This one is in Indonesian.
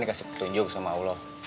nih kasih petunjuk sama allah